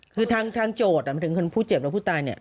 คือทางโจทย์ถึงคนผู้เจ็บและผู้ตาย